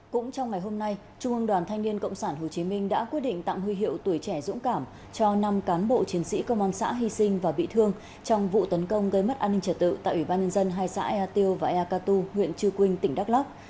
cũng trong ngày hôm nay trung ương đoàn thanh niên cộng sản hồ chí minh đã quyết định tặng huy hiệu tuổi trẻ dũng cảm cho năm cán bộ chiến sĩ công an xã hy sinh và bị thương trong vụ tấn công gây mất an ninh trật tự tại ủy ban nhân dân hai xã ea tiêu và ea catu huyện chư quynh tỉnh đắk lắk